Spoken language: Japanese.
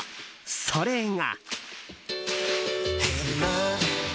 それが。